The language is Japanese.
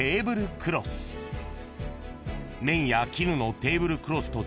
［綿や絹のテーブルクロスと違い